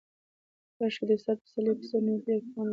کاشکې د استاد پسرلي په څېر نور ډېر پوهان ولرو.